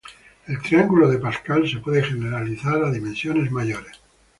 El triángulo de Pascal se puede generalizar a dimensiones mayores.